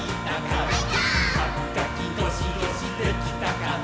「はみがきゴシゴシできたかな？」